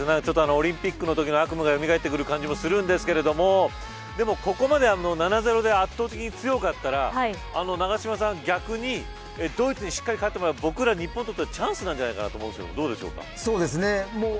オリンピックのときの悪夢がよみがえってくる感じもありますがここまで７ー０で圧倒的に強かったら永島さん逆にドイツにしっかり勝ってもらった僕ら日本にとってチャンスじゃないかと思うのですがどうですか。